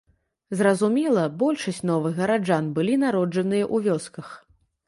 Зразумела, большасць новых гараджан былі народжаныя ў вёсках.